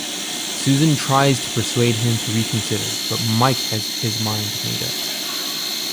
Susan tries to persuade him to reconsider but Mike has his mind made up.